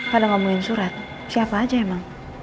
pada ngomongin surat siapa aja emang